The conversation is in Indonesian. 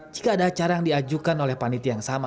jika ada acara yang diajukan oleh panitia yang sama